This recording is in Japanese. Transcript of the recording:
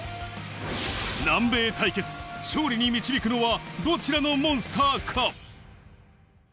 南米対決、勝利に導くのはどちらのモンスターか？